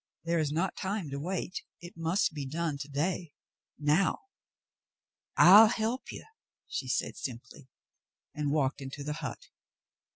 There is not time to wait. It must be done to day, now." "I'll help you," she said simply, and walked into the hut.